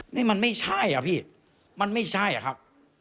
นี่มันไม่ใช่อ่ะพี่มันไม่ใช่อะครับ